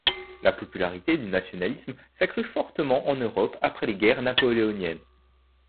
La popularité du nationalisme s'accrût fortement en Europe après les Guerres napoléoniennes.